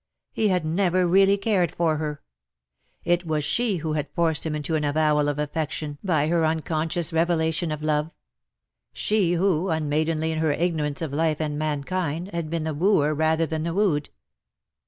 He had never really cared for her. It was she who had forced him into an avowal of affection by her uncon VOL. II. c 18 ^^ALAS FOR ME THEN, scious revelation of love — she who, unmaidenly in her ignorance of life and mankind, had been the wooer rather than the wooed.